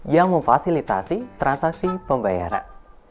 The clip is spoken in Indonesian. yang memfasilitasi transaksi pembayaran